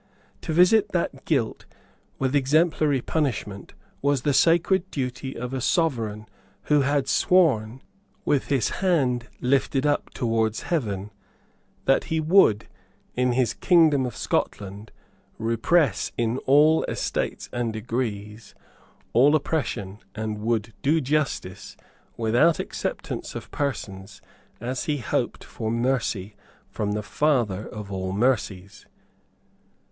To visit that guilt with exemplary punishment was the sacred duty of a Sovereign who had sworn, with his hand lifted up towards heaven, that he would, in his kingdom of Scotland, repress, in all estates and degrees, all oppression, and would do justice, without acceptance of persons, as he hoped for mercy from the Father of all mercies.